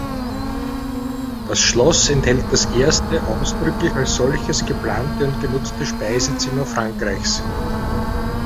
Das Schloss enthält das erste ausdrücklich als solches geplante und genutzte Speisezimmer Frankreichs.